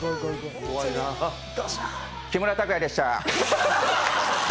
木村拓哉でした。